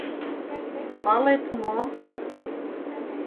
Палет мо?